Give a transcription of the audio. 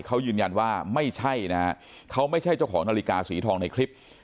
เขายืนยันว่าไม่ใช่นะฮะเขาไม่ใช่เจ้าของนาฬิกาสีทองในคลิป